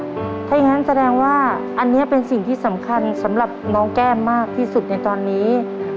ถ้าอย่างนั้นแสดงว่าอันนี้เป็นสิ่งที่สำคัญสำหรับน้องแก้มมากที่สุดในตอนนี้